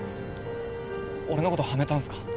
俺のことはめたんすか？